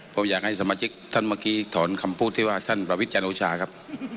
ผมอยากให้สมาชิกท่านเมื่อกี้ถอนคำพูดที่ว่าท่านประวิทย์จันโอชาครับ